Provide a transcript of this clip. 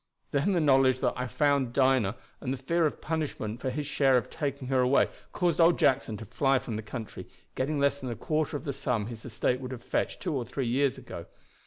Then the knowledge that I had found Dinah, and the fear of punishment for his share of taking her away, caused old Jackson to fly from the country, getting less than a quarter of the sum his estate would have fetched two or three years ago.